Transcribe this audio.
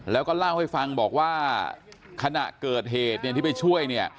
แล้วก็เล่าให้ฟังบอกว่าขณะเกิดเหตุเนี่ยที่ไปช่วยเนี่ย